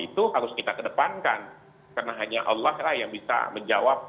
itu harus kita kedepankan karena hanya allah lah yang bisa menjawab